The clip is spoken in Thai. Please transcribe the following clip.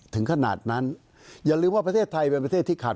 ถึงขนาดนั้นอย่าลืมว่าประเทศไทยเป็นประเทศที่ขาด